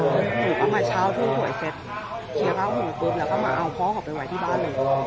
จากนี้ก็มาชาวที่ขวยเจ็บให้เขาหลุมปุ๊บแล้วเอาพ่อก็ไปไว้ที่บ้าน